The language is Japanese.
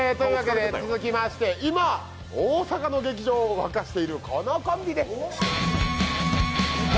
今、大阪の劇場を沸かしているこのコンビです。